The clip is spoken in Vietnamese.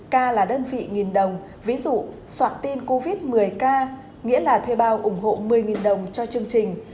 k là đơn vị nghìn đồng ví dụ soạn tin covid một mươi k nghĩa là thuê bao ủng hộ một mươi đồng cho chương trình